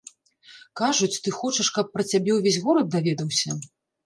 Кажуць, ты хочаш, каб пра цябе ўвесь горад даведаўся?